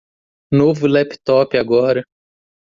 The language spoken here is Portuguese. Novo laptop agora